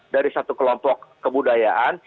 dari satu kelompok kebudayaan